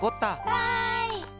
わい！